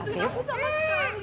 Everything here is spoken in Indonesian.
bantuin aku sama sekali